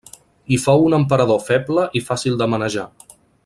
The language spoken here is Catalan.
Hi fou un emperador feble i fàcil de manejar.